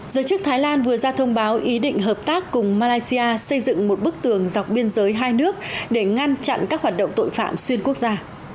giới chức thái lan vừa ra thông báo ý định hợp tác cùng malaysia xây dựng một bức tường dọc biên giới hai nước để ngăn chặn các hoạt động tội phạm xuyên quốc gia